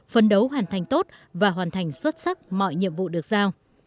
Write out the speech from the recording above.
phấn đấu hoàn thành tốt và hoàn thành xuất sắc mọi nhiệm vụ được giao